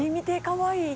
かわいい。